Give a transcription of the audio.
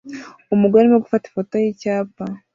Umugore arimo gufata ifoto yicyapa